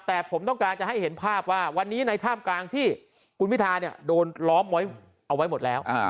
แต่ผมต้องการจะให้เห็นภาพว่าวันนี้ในท่ามกลางที่คุณพิธาโดนล้อมเอาไว้หมดแล้ว